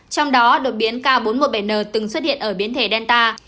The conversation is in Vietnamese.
trong đó đột biến k bốn trăm một mươi bảy n từng xuất hiện ở biến thể delta